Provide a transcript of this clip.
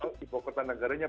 kepok kota negaranya